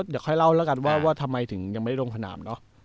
เดี๋ยวค่อยเล่าแล้วกันว่าทำไมถึงยังไม่ได้ลงสนามเนอะ